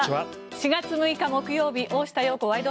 ４月６日、木曜日「大下容子ワイド！